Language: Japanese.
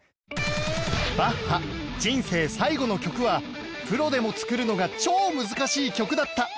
バッハ人生最後の曲はプロでも作るのが超難しい曲だった！